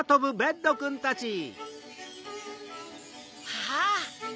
あぁ！